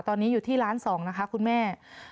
ตอนนี้อยู่ที่ล้านสองนะคะคุณแม่